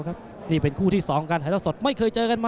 กระหน่าที่น้ำเงินก็มีเสียเอ็นจากอุบลนะครับเสียเอ็นจากอุบลนะครับ